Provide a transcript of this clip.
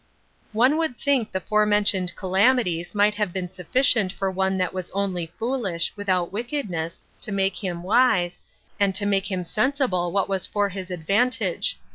5. One would think the forementioned calamities might have been sufficient for one that was only foolish, without wickedness, to make him wise, and to make him Sensible what was for his advantage.